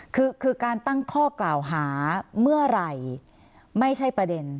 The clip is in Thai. คือคือการตั้งข้อกล่าวหาเมื่อไหร่ไม่ใช่ประเด็น